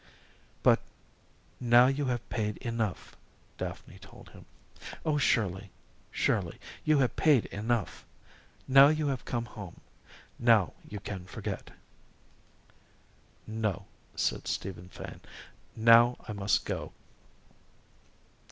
"But now you have paid enough," Daphne told him. "Oh, surely, surely you have paid enough. Now you have come home now you can forget." "No," said Stephen Fane. "Now I must go."